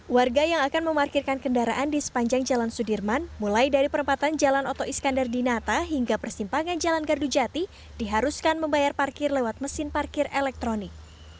warga yang akan memarkirkan kendaraan di sepanjang jalan sudirman mulai dari perempatan jalan oto iskandar di nata hingga persimpangan jalan gardujati diharuskan membayar parkir lewat mesin parkir elektronik